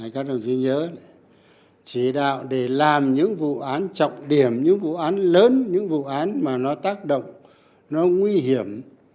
các đồng chí nhớ chỉ đạo để làm những vụ án trọng điểm những vụ án lớn những vụ án mà nó tác động nó nguy hiểm